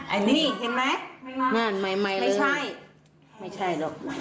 อันนี้เห็นมั้ยไม่ใช่